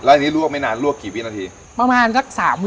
แล้วอันนี้ลวกไม่นานลวกกี่วินาทีประมาณสัก๓วินาที